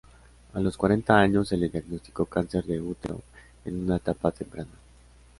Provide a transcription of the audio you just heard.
A los cuarenta años, se le diagnosticó cáncer de útero en una etapa temprana.